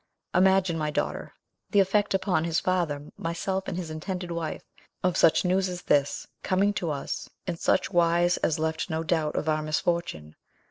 Imagine, my daughter, the effect upon his father, myself, and his intended wife, of such news as this, coming to us in such wise as left no doubt of our misfortune.